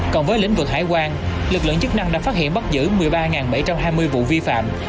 còn với lĩnh vực hải quan lực lượng chức năng đã phát hiện bắt giữ một mươi ba bảy trăm hai mươi vụ vi phạm